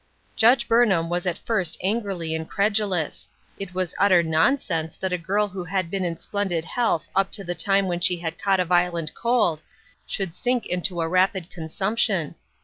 Judge Burnham was at first angrily incredulous ; it was utter nonsense that a girl who had been in splendid health up to the time when she had caught a violent cold should sink into a rapid consumption.